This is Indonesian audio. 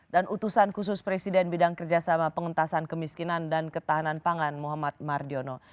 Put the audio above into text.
dan utusan khusus presiden bidang kerjasama pengentasan kemiskinan dan ketahanan pangan muhammad mardiono